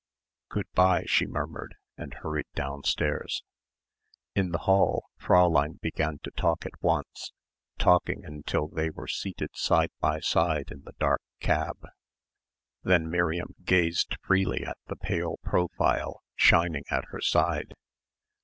"Good bye," she murmured and hurried downstairs. In the hall Fräulein began to talk at once, talking until they were seated side by side in the dark cab. Then Miriam gazed freely at the pale profile shining at her side.